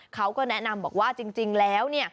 เขาก็แนะนำบอกว่าจริงแล้ว